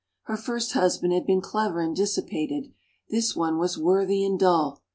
Her first husband had been clever and dissipated; this one was worthy and dull.